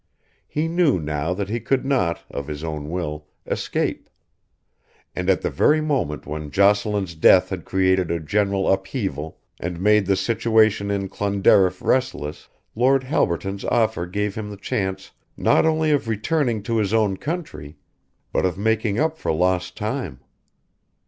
He knew now that he could not, of his own will, escape; and at the very moment when Jocelyn's death had created a general upheaval and made the situation in Clonderriff restless, Lord Halberton's offer gave him the chance not only of returning to his own country, but of making up for lost time.